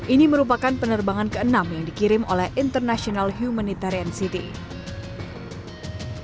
ini merupakan penerbangan ke enam yang dikirim oleh international humanitarian city